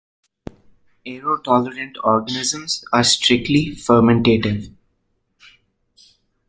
Aerotolerant organisms are strictly fermentative.